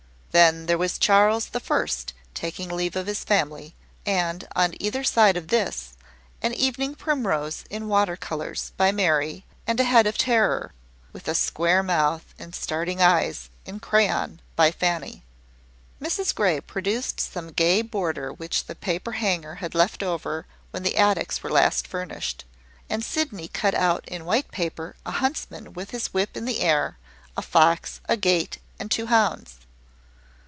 Then there was Charles the First taking leave of his family; and, on either side of this, an evening primrose in water colours, by Mary, and a head of Terror, with a square mouth and starting eyes, in crayon, by Fanny. Mrs Grey produced some gay border which the paper hanger had left over when the attics were last furnished; and Sydney cut out in white paper a huntsman with his whip in the air, a fox, a gate, and two hounds.